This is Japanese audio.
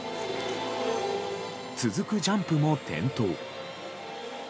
続くジャンプも転倒。